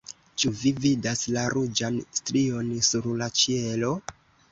ĉu vi vidas la ruĝan strion sur la ĉielo?